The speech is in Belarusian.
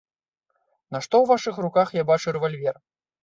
Нашто ў вашых руках я бачу рэвальвер?